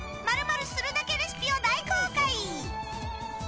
○○するだけレシピを大公開。